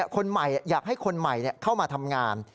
คนใหม่อยากให้คนใหม่เข้ามาทำงาน